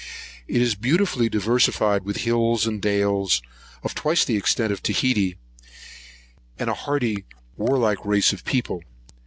It is beautifully diversified with hills and dales, of twice the extent of Otaheite, and a hardy warlike race of people.